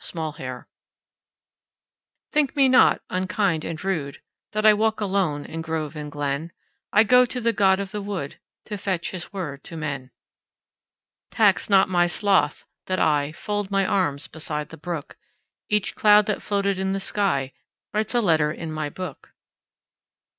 The Apology THINK me not unkind and rudeThat I walk alone in grove and glen;I go to the god of the woodTo fetch his word to men. Tax not my sloth that IFold my arms beside the brook; Each cloud that floated in the skyWrites a letter in my book.